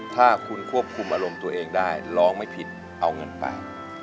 ถ้าคุณควบคุมอารมณ์ตัวเองได้ร้องไม่ผิดเอาเงินไป